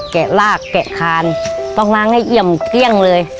แกะลากแกะคานต้องล้างให้เอี่ยมเกลี้ยงเลย